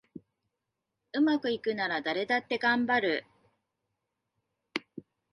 うまくいくなら誰だってがんばる